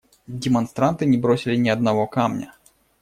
Демонстранты не бросили ни одного камня.